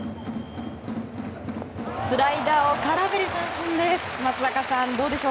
スライダーを空振り三振です。